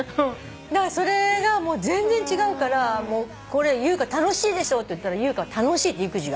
だからそれが全然違うから優香楽しいでしょ？って言ったら優香は楽しいって育児が。